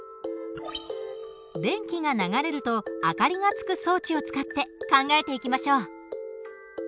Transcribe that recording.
電気が流れると明かりがつく装置を使って考えていきましょう。